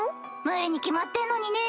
無理に決まってんのにね。